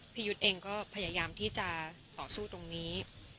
ยุทธ์เองก็พยายามที่จะต่อสู้ตรงนี้